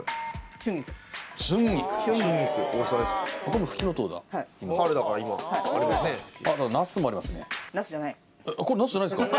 春菊これナスじゃないんですか？